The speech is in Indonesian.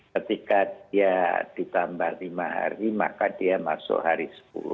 ketika dia ditambah lima hari maka dia masuk hari sepuluh